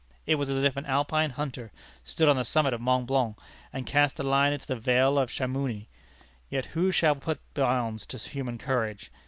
It was as if an Alpine hunter stood on the summit of Mont Blanc and cast a line into the vale of Chamouni. Yet who shall put bounds to human courage?